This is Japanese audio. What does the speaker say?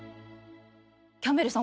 キャンベルさん